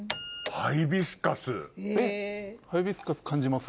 ハイビスカス感じます？